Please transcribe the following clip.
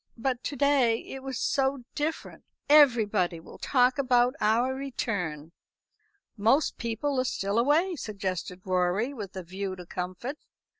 But to day it was so different. Everybody will talk about our return." "Most people are still away," suggested Rorie, with a view to comfort.